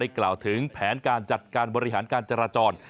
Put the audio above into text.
กล่าวถึงแผนการจัดการบริหารการจราจร